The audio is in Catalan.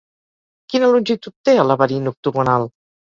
Quina longitud té el laberint octogonal?